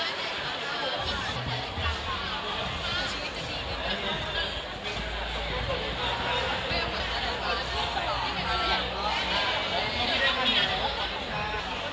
แต่หมายถึงว่ามันก็ใส่เสื้อผ้าได้ได้ให้ดีกว่าชื่น